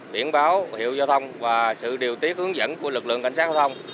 biển báo hiệu giao thông và sự điều tiết hướng dẫn của lực lượng cảnh sát giao thông